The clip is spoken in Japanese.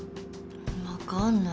わかんない。